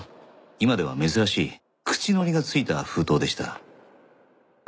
今では珍しい口糊がついた封筒でした。